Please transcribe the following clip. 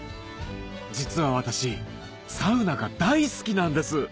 実は私サウナが大好きなんです